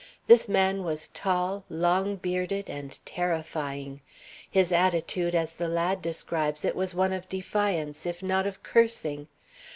This man was tall, long bearded, and terrifying. His attitude, as the lad describes it, was one of defiance, if not of cursing.